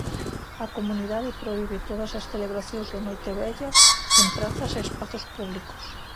A comunidade prohibe todas as celebracións de Noitevella en prazas e espazos públicos.